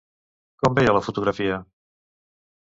Com veia la fotografia?